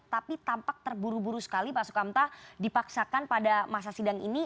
tapi tampak terburu buru sekali pak sukamta dipaksakan pada masa sidang ini